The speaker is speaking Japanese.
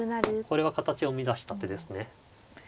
これは形を乱した手ですね。